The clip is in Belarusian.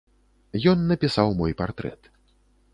Ён напісаў мой партрэт.